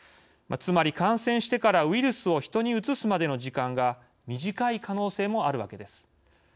つまり感染してからウイルスを人にうつすまでの時間が短い可能性もあるわけです。